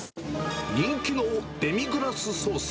人気のデミグラスソース。